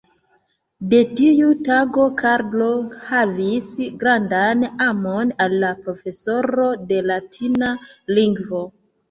De tiu tago, Karlo havis grandan amon al la profesoro de latina lingvo.